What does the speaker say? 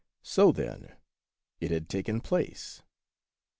So, then, it had taken place